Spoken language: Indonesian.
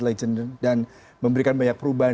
legend dan memberikan banyak perubahan